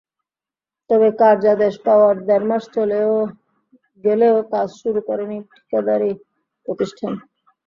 তবে কার্যাদেশ পাওয়ার দেড় মাস চলেও গেলেও কাজ শুরু করেনি ঠিকাদারি প্রতিষ্ঠান।